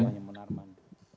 saya ingin menarman